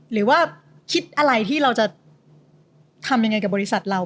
หรือว่าคิดอะไรที่เราจะทำยังไงกับบริษัทเรา